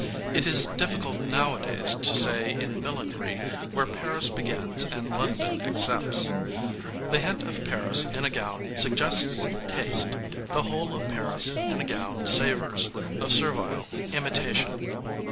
It is difficult nowadays to say in millinery where Paris begins and London accepts. The hint of Paris in a gown suggests taste; the whole of Paris in a gown savours of servile imitation.